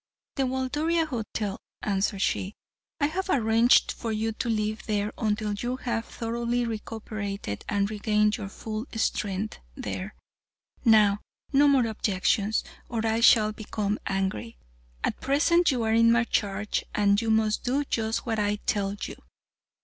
"The Waldoria Hotel," answered she. "I have arranged for you to live there until you have thoroughly recuperated and regained your full strength there, now, no more objections, or I shall become angry. At present, you are in my charge, and must do just what I tell you."